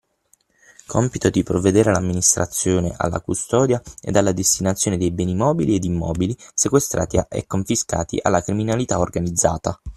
compito di provvedere all'amministrazione, alla custodia ed alla destinazione dei beni mobili e immobili sequestrati e confiscati alla criminalità organizzata.